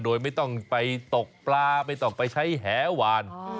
โดยไม่ต้องไปตกปลาไม่ต้องไปใช้แหหวาน